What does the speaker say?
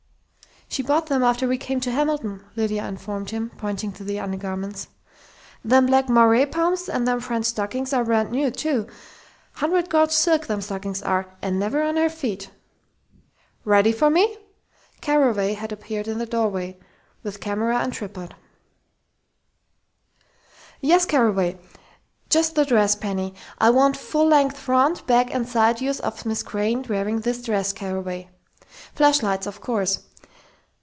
"She bought them after we came to Hamilton," Lydia informed him, pointing to the undergarments. "Them black moiré pumps and them French stockings are brand new, too hundred gauge silk them stockings are, and never on her feet " "Ready for me?" Carraway had appeared in the doorway, with camera and tripod. "Yes, Carraway.... Just the dress, Penny.... I want full length front, back and side views of Miss Crain wearing this dress, Carraway.... Flashlights, of course.